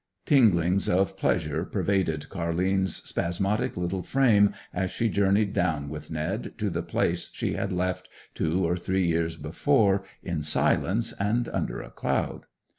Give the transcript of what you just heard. Tinglings of pleasure pervaded Car'line's spasmodic little frame as she journeyed down with Ned to the place she had left two or three years before, in silence and under a cloud.